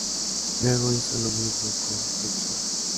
Luego hizo lo mismo con Hudson.